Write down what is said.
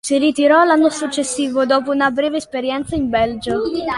Si ritirò l'anno successivo dopo una breve esperienza in Belgio.